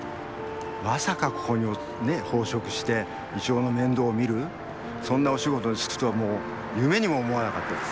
まさかここに奉職して銀杏の面倒を見るそんなお仕事に就くとはもう夢にも思わなかったです。